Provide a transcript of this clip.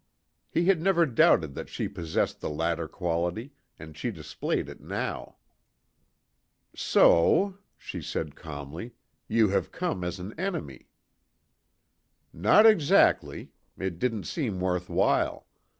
He had never doubted that she possessed the latter quality, and she displayed it now. "So," she said calmly, "you have come as an enemy." "Not exactly; it didn't seem worth while.